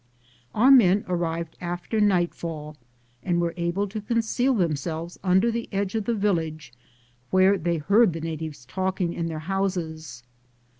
Our men arrived after nightfall and were able to con ceal themselves under the edge of the village, where they heard the natives talking in their houses.